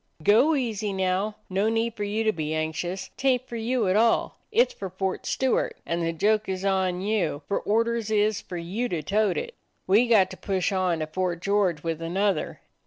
"Go easy now. No need for you to be anxious. 'T ain't for you at all. It's for Fort Stewart; and the joke is on you, for or ders is for you to tote it. We got to push on to Fort George with another.